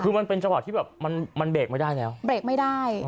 คือมันเป็นจังหวะที่แบบมันเบรกไม่ได้แล้วเบรกไม่ได้